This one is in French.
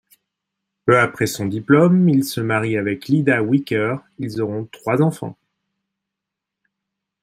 Peu après son diplôme il se marie avec Lyda Whicker, ils auront trois enfants.